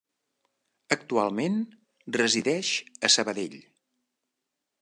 Actualment resideix a Sabadell.